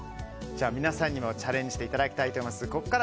皆さんにもチャレンジしていただきたいと思います。